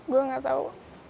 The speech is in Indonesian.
gue nggak tahu